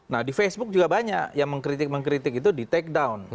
nah di facebook juga banyak yang mengkritik mengkritik itu di take down